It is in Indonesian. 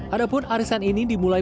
adapun arisan ini dimulai